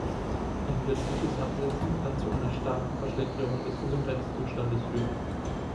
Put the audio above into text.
Ein plötzliches Absetzen kann zu einer starken Verschlechterung des Gesundheitszustandes führen.